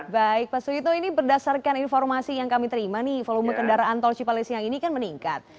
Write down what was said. baik pak suwito ini berdasarkan informasi yang kami terima nih volume kendaraan tol cipale siang ini kan meningkat